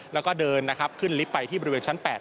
แล้วก็เดินนะครับขึ้นลิฟต์ไปที่บริเวณชั้น๘